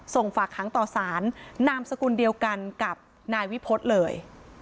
ฝากค้างต่อสารนามสกุลเดียวกันกับนายวิพฤษเลย